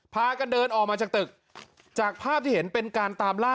พากันเดินออกมาจากตึกจากภาพที่เห็นเป็นการตามล่า